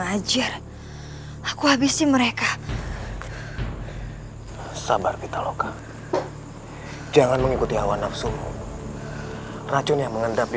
ajar aku habisin mereka sabar kita loka jangan mengikuti hawa nafsumu racun yang mengendap di